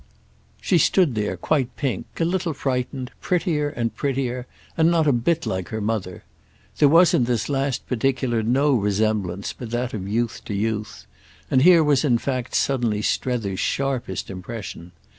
She stood there quite pink, a little frightened, prettier and prettier and not a bit like her mother. There was in this last particular no resemblance but that of youth to youth; and here was in fact suddenly Strether's sharpest impression.